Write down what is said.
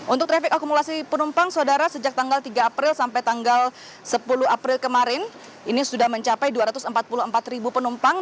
untuk trafik akumulasi penumpang saudara sejak tanggal tiga april sampai tanggal sepuluh april kemarin ini sudah mencapai dua ratus empat puluh empat ribu penumpang